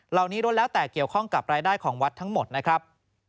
ลดแล้วแต่เกี่ยวข้องกับรายได้ของวัดทั้งหมดนะครับ